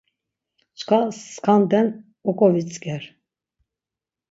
Çkva skanden oǩovitzǩer.